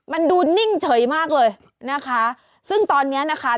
มันดูนิ่งเฉยมากเลยนะคะซึ่งตอนเนี้ยนะคะ